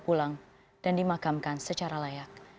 pulang dan dimakamkan secara layak